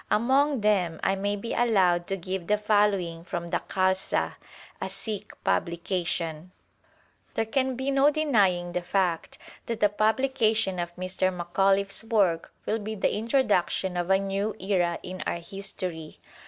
Among them I may be allowed to give the following from The Khalsa, a Sikh publication : There can be no denying the fact that the publication of Mr. Macauliffe s work will be the introduction of a new era in our history.